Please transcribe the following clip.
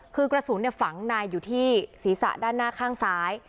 คือกระสุนฝังนายอยู่ที่ศีรษะด้านหน้าข้างซ้าย